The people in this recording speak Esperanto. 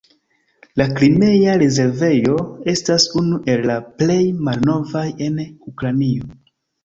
La Krimea rezervejo estas unu el la plej malnovaj en Ukrainio.